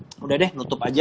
sudah deh nutup saja